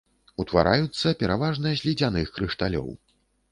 Утвараюцца пераважна з ледзяных крышталёў.